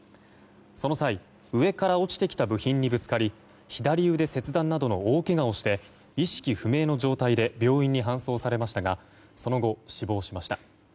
その際、上から落ちてきた部品にぶつかり左腕切断などの大けがをして意識不明の状態で病院に搬送されましたがその後、死亡しました。